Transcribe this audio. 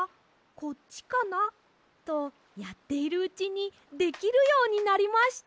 こっちかな？」とやっているうちにできるようになりました！